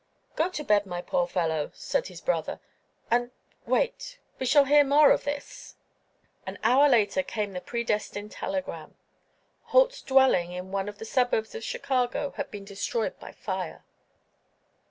"Go to bed, my poor fellow," said his brother, "and—wait. We shall hear more of this." An hour later came the predestined telegram. Holt's dwelling in one of the suburbs of Chicago had been destroyed by fire.